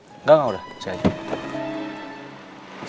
enggak enggak udah saya